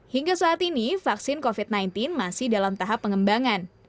hingga saat ini vaksin covid sembilan belas masih dalam tahap pengembangan